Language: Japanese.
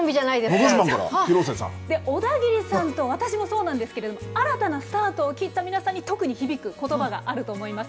のど自慢から、小田切さんと私もそうなんですけど、新たなスタートを切った皆さんに、特に響くことばがあると思います。